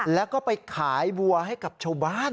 แล้วก็ไปขายวัวให้กับชาวบ้าน